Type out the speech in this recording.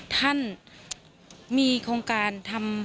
ท่านมีโครงการทำ